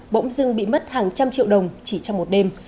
bỗng dưng bị mất hàng trăm triệu đồng chỉ trong một đêm